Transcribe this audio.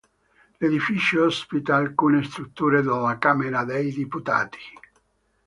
L'edificio ospita alcune strutture della Camera dei deputati.